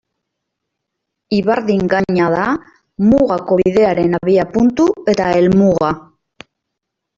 Ibardin gaina da Mugako Bidearen abiapuntu eta helmuga.